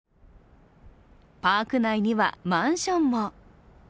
パーク内にはマンションも。